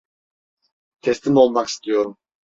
Teslim olmak istiyorum.